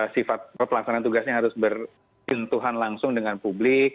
sifat pelaksanaan tugasnya harus berkentuhan langsung dengan publik